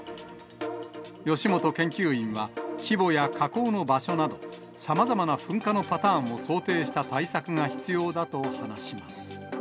吉本研究員は、規模や火口の場所など、さまざまな噴火のパターンを想定した対策が必要だと話します。